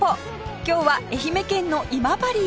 今日は愛媛県の今治へ！